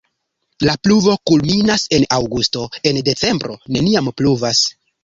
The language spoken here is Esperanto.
La pluvo kulminas en aŭgusto, en decembro neniam pluvas.